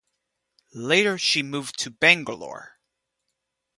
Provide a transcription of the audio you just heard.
Later she moved to Bangalore.